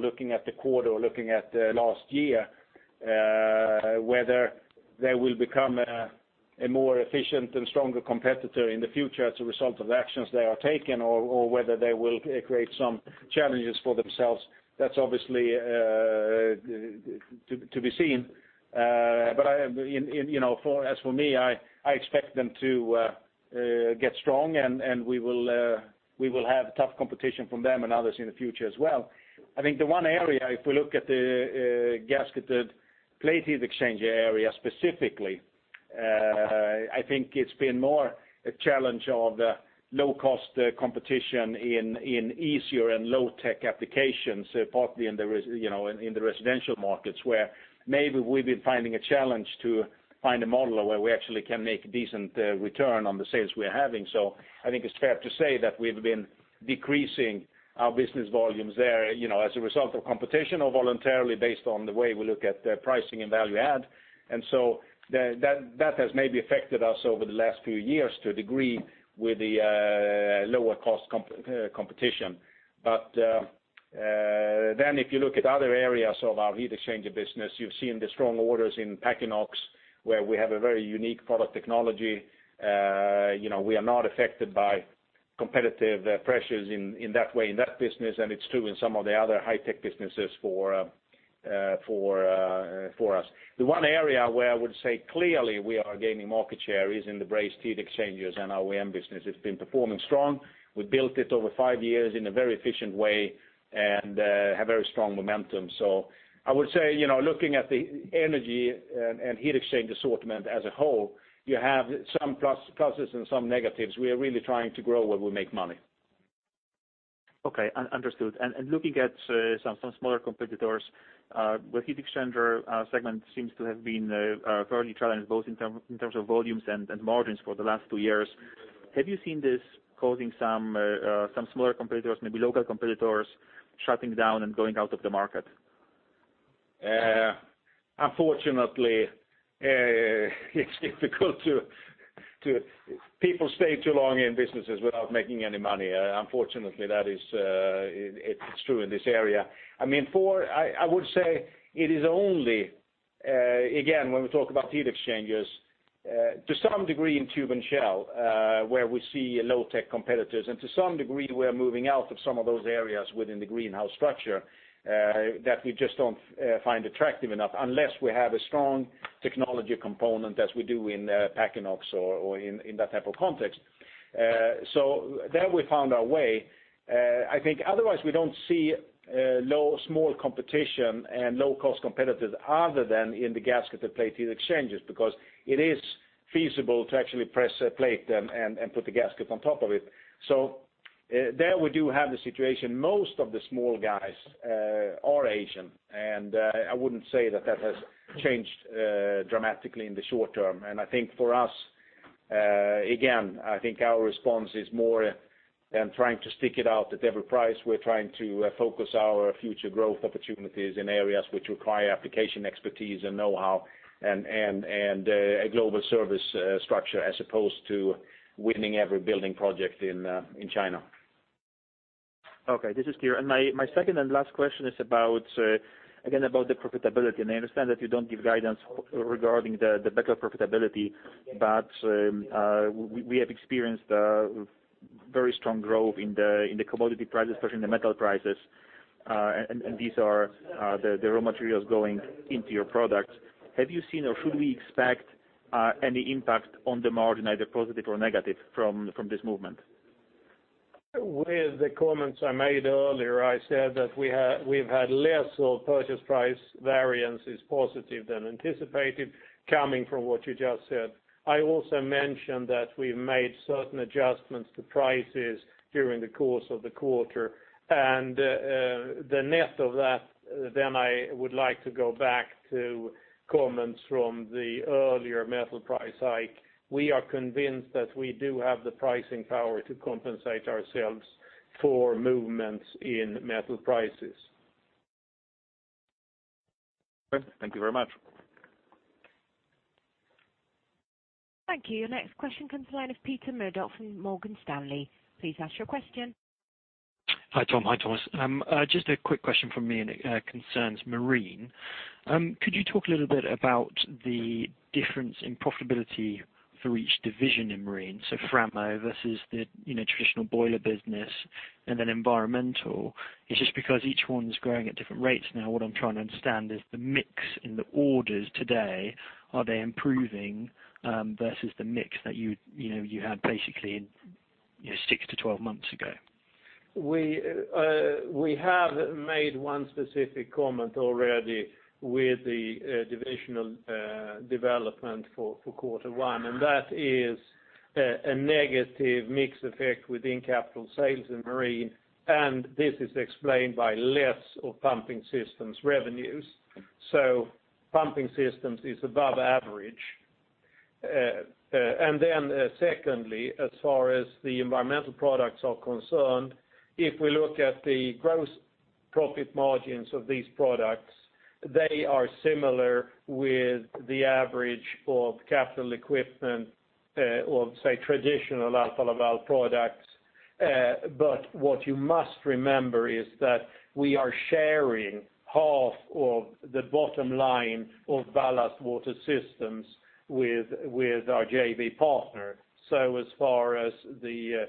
S2: looking at the quarter or looking at last year, whether they will become a more efficient and stronger competitor in the future as a result of actions they are taking or whether they will create some challenges for themselves. That's obviously to be seen. As for me, I expect them to get strong, and we will have tough competition from them and others in the future as well. I think the one area, if we look at the gasketed plate heat exchanger area specifically, I think it's been more a challenge of low-cost competition in easier and low-tech applications, partly in the residential markets, where maybe we've been finding a challenge to find a model where we actually can make a decent return on the sales we are having. I think it's fair to say that we've been decreasing our business volumes there, as a result of competition or voluntarily based on the way we look at pricing and value add. That has maybe affected us over the last few years to a degree with the lower cost competition.
S3: If you look at other areas of our heat exchanger business, you've seen the strong orders in Packinox, where we have a very unique product technology. We are not affected by competitive pressures in that way in that business, and it's true in some of the other high-tech businesses for us. The one area where I would say clearly we are gaining market share is in the brazed heat exchangers and our AM business. It's been performing strong. We built it over five years in a very efficient way and have very strong momentum. I would say, looking at the energy and heat exchanger assortment as a whole, you have some pluses and some negatives. We are really trying to grow where we make money.
S7: Okay, understood. Looking at some smaller competitors, the heat exchanger segment seems to have been fairly challenged both in terms of volumes and margins for the last two years. Have you seen this causing some smaller competitors, maybe local competitors, shutting down and going out of the market?
S3: Unfortunately, it's difficult. People stay too long in businesses without making any money. Unfortunately, that is true in this area. I would say it is only, again, when we talk about heat exchangers, to some degree in shell-and-tube, where we see low-tech competitors, and to some degree, we are moving out of some of those areas within the Greenhouse structure, that we just don't find attractive enough unless we have a strong technology component as we do in Packinox or in that type of context. There we found our way. I think otherwise we don't see small competition and low-cost competitors other than in the gasketed plate heat exchangers, because it is feasible to actually press a plate and put the gasket on top of it. There we do have the situation. Most of the small guys are Asian. I wouldn't say that that has changed dramatically in the short term. I think for us, again, I think our response is more
S2: We are trying to stick it out at every price. We're trying to focus our future growth opportunities in areas which require application expertise and know-how, and a global service structure, as opposed to winning every building project in China.
S7: Okay, this is clear. My second and last question is, again, about the profitability. I understand that you don't give guidance regarding the backlog profitability, we have experienced very strong growth in the commodity prices, especially in the metal prices. These are the raw materials going into your products. Have you seen, or should we expect any impact on the margin, either positive or negative from this movement?
S3: With the comments I made earlier, I said that we've had less of purchase price variances positive than anticipated, coming from what you just said. I also mentioned that we've made certain adjustments to prices during the course of the quarter. The net of that, I would like to go back to comments from the earlier metal price hike. We are convinced that we do have the pricing power to compensate ourselves for movements in metal prices.
S7: Okay. Thank you very much.
S1: Thank you. Your next question comes the line of Peter Murdoch from Morgan Stanley. Please ask your question.
S8: Hi, Tom. Hi, Thomas. Just a quick question from me, it concerns Marine. Could you talk a little bit about the difference in profitability for each division in Marine, so Framo versus the traditional boiler business and then environmental? It's just because each one's growing at different rates now. What I'm trying to understand is the mix in the orders today, are they improving, versus the mix that you had basically 6-12 months ago?
S3: We have made one specific comment already with the divisional development for quarter one, that is a negative mix effect within capital sales and Marine. This is explained by less of Pumping Systems revenues. Pumping Systems is above average. Secondly, as far as the environmental products are concerned, if we look at the gross profit margins of these products, they are similar with the average of capital equipment, or say, traditional Alfa Laval products. What you must remember is that we are sharing half of the bottom line of ballast water systems with our JV partner. As far as the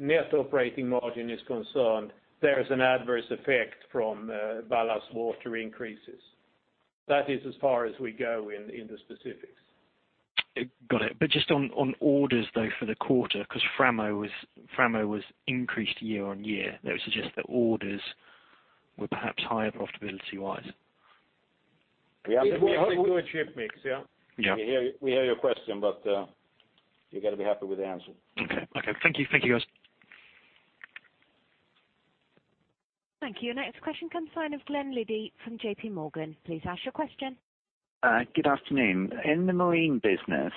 S3: net operating margin is concerned, there is an adverse effect from ballast water increases. That is as far as we go in the specifics.
S8: Got it. Just on orders, though, for the quarter, because Framo was increased year-on-year. That would suggest that orders were perhaps higher profitability-wise.
S3: We have a good ship mix.
S8: Yeah.
S2: We hear your question, but you got to be happy with the answer.
S8: Okay. Thank you, guys.
S1: Thank you. Next question comes the line of Glen Liddy from JP Morgan. Please ask your question.
S9: Good afternoon. In the Marine business,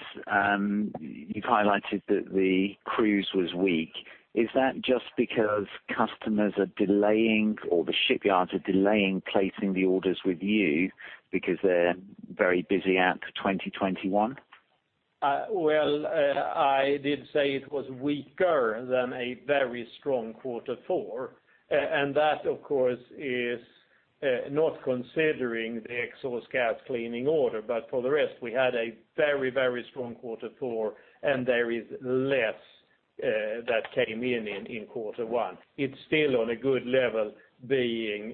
S9: you've highlighted that the cruise was weak. Is that just because customers are delaying, or the shipyards are delaying placing the orders with you because they're very busy out to 2021?
S3: Well, I did say it was weaker than a very strong quarter four. That, of course, is not considering the exhaust gas cleaning order. For the rest, we had a very strong quarter four, and there is less that came in in quarter one. It's still on a good level, being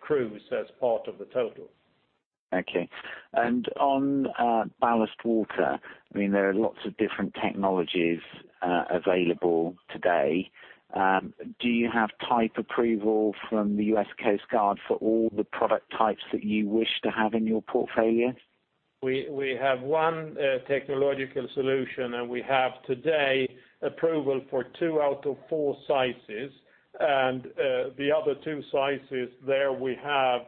S3: cruise as part of the total.
S9: Okay. On ballast water, there are lots of different technologies available today. Do you have type approval from the US Coast Guard for all the product types that you wish to have in your portfolio?
S3: We have one technological solution, we have today approval for two out of four sizes. The other two sizes there, we have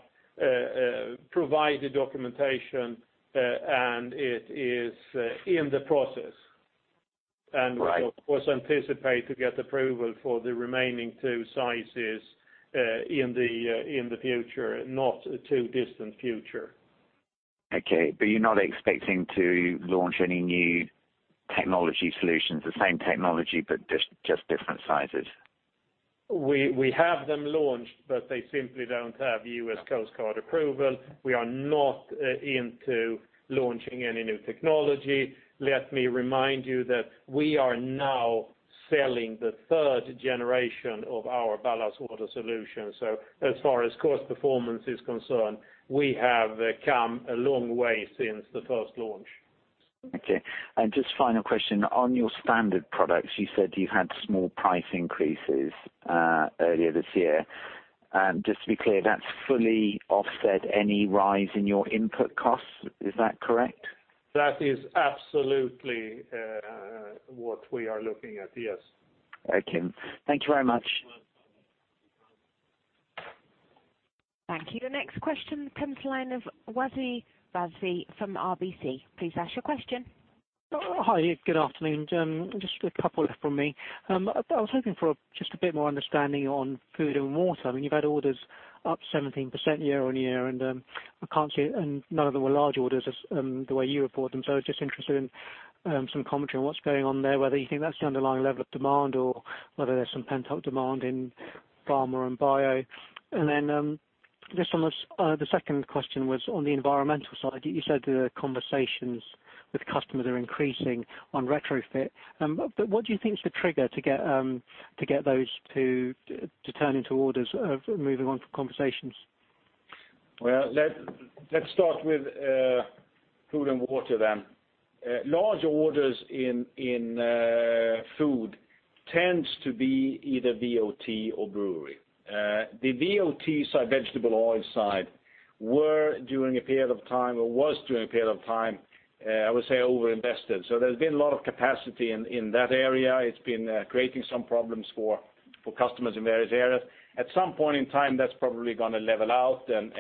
S3: provided documentation, it is in the process.
S9: Right.
S3: We, of course, anticipate to get approval for the remaining two sizes in the future, not too distant future.
S9: Okay, you're not expecting to launch any new technology solutions, the same technology, just different sizes.
S3: We have them launched, they simply don't have US Coast Guard approval. We are not into launching any new technology. Let me remind you that we are now selling the third generation of our ballast water solution. As far as cost performance is concerned, we have come a long way since the first launch.
S9: Okay. just final question. On your standard products, you said you've had small price increases earlier this year. Just to be clear, that's fully offset any rise in your input costs. Is that correct?
S3: That is absolutely what we are looking at. Yes.
S9: Okay. Thank you very much.
S1: Thank you. The next question comes the line of Wasi Rizvi from RBC. Please ask your question.
S10: Hi, good afternoon. Just a couple from me. I was hoping for just a bit more understanding on food and water. You've had orders up 17% year-on-year, I can't see, none of them were large orders as the way you report them. I was just interested in some commentary on what's going on there, whether you think that's the underlying level of demand or whether there's some pent-up demand in pharma and bio. The second question was on the environmental side. You said the conversations with customers are increasing on retrofit. What do you think is the trigger to get those to turn into orders of moving on from conversations?
S2: Well, let's start with food and water then. Large orders in food tends to be either VOT or brewery. The VOT side, vegetable oil side, was during a period of time, I would say, over-invested. There's been a lot of capacity in that area. It's been creating some problems for customers in various areas. At some point in time, that's probably going to level out and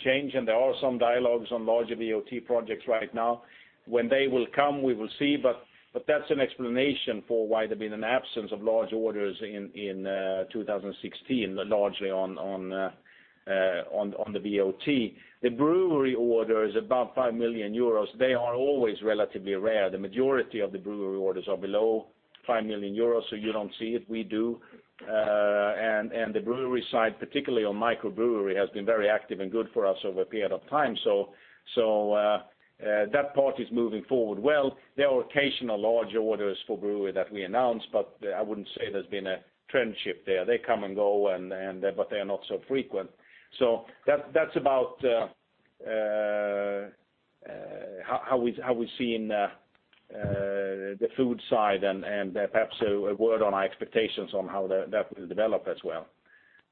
S2: change, and there are some dialogues on larger VOT projects right now. When they will come, we will see, but that's an explanation for why there's been an absence of large orders in 2016, largely on the VOT. The brewery orders above 5 million euros, they are always relatively rare. The majority of the brewery orders are below 5 million euros, you don't see it, we do. The brewery side, particularly on microbrewery, has been very active and good for us over a period of time. That part is moving forward well. There are occasional large orders for brewery that we announce, I wouldn't say there's been a trend shift there. They come and go, they are not so frequent. That's about how we see in the food side and perhaps a word on our expectations on how that will develop as well.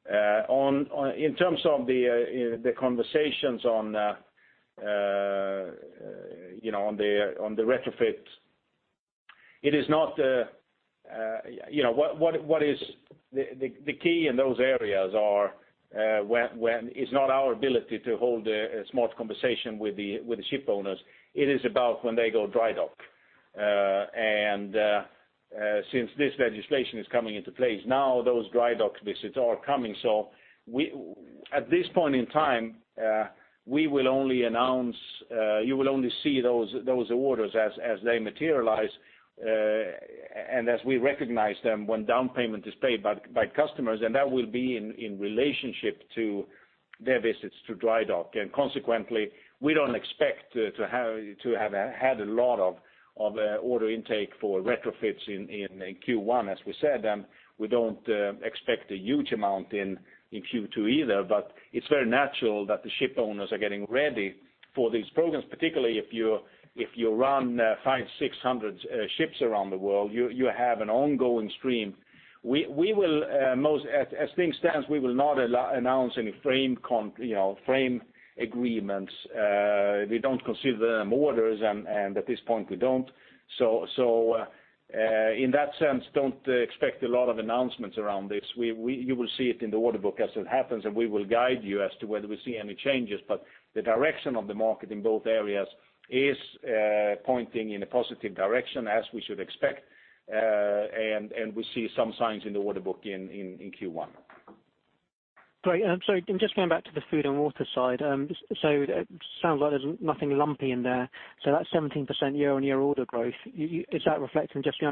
S2: In terms of the conversations on the retrofit, the key in those areas are, when it's not our ability to hold a smart conversation with the ship owners, it is about when they go dry dock. Since this legislation is coming into place now, those dry dock visits are coming. At this point in time, you will only see those orders as they materialize, and as we recognize them when down payment is paid by customers, and that will be in relationship to their visits to dry dock. Consequently, we don't expect to have had a lot of order intake for retrofits in Q1, as we said, and we don't expect a huge amount in Q2 either. It's very natural that the ship owners are getting ready for these programs, particularly if you run 500, 600 ships around the world, you have an ongoing stream. As things stand, we will not announce any frame agreements. We don't consider them orders, at this point we don't. In that sense, don't expect a lot of announcements around this. You will see it in the order book as it happens, we will guide you as to whether we see any changes. The direction of the market in both areas is pointing in a positive direction as we should expect, we see some signs in the order book in Q1.
S10: Great. Sorry, just going back to the food and water side. It sounds like there's nothing lumpy in there. That 17% year-on-year order growth, is that reflecting just the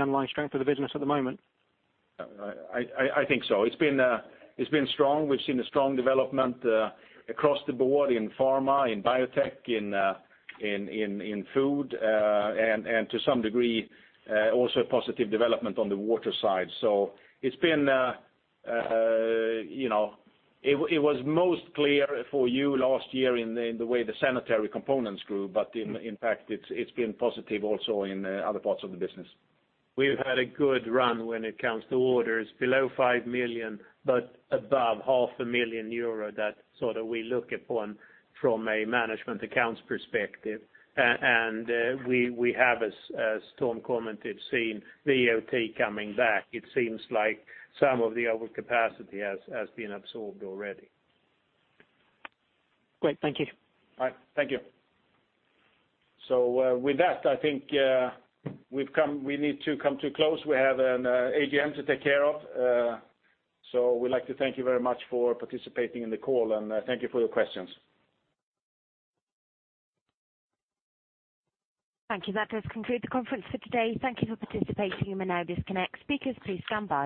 S10: underlying strength of the business at the moment?
S2: I think so. It's been strong. We've seen a strong development across the board in pharma, in biotech, in food, and to some degree, also positive development on the water side. It was most clear for you last year in the way the sanitary components grew, in fact, it's been positive also in other parts of the business.
S3: We've had a good run when it comes to orders below five million, but above half a million EUR that sort of we look upon from a management accounts perspective. We have, as Tom commented, seen VOT coming back. It seems like some of the overcapacity has been absorbed already.
S10: Great. Thank you.
S2: All right. Thank you. With that, I think we need to come to close. We have an AGM to take care of. We'd like to thank you very much for participating in the call, and thank you for your questions.
S1: Thank you. That does conclude the conference for today. Thank you for participating. You may now disconnect. Speakers, please stand by.